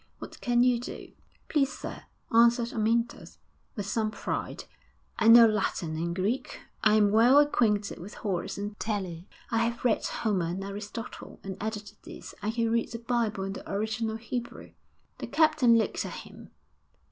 What can you do?' 'Please, sir,' answered Amyntas, with some pride, 'I know Latin and Greek; I am well acquainted with Horace and Tully; I have read Homer and Aristotle; and added to this, I can read the Bible in the original Hebrew.' The captain looked at him.